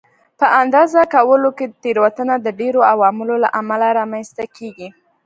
په اندازه کولو کې تېروتنه د ډېرو عواملو له امله رامنځته کېږي.